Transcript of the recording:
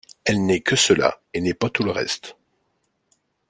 Elle n’est que cela et n’est pas tout le reste.